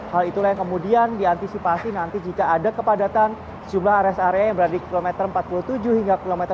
hal itulah yang kemudian diantisipasi nanti jika ada kepadatan jumlah rest area yang berada di kilometer empat puluh tujuh hingga kilometer tiga puluh